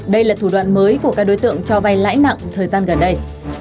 đây là thủ đoạn mới của các đối tượng cho vay lãi nặng thời gian gần đây